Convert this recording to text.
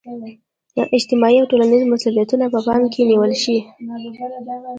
اجتماعي او ټولنیز مسولیتونه په پام کې نیول شي.